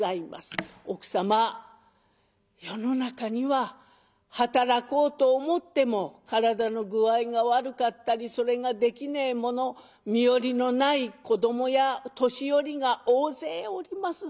「奥様世の中には働こうと思っても体の具合が悪かったりそれができねえ者身寄りのない子どもや年寄りが大勢おります。